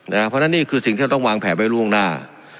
เพราะฉะนั้นนี่คือสิ่งที่เราต้องวางแผนไว้ล่วงหน้า